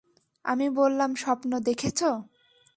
আমি বললাম, স্বপ্ন দেখেছ?